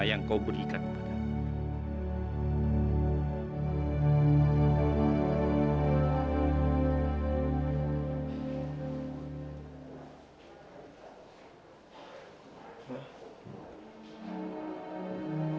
yang kau berikan padamu